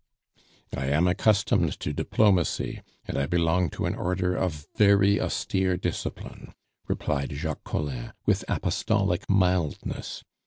"I am accustomed to diplomacy, and I belong to an Order of very austere discipline," replied Jacques Collin, with apostolic mildness.